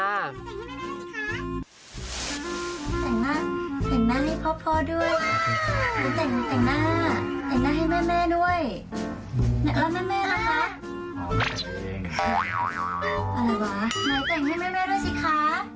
อะไรวะใหม่แต่งให้เม็ดด้วยสิคะ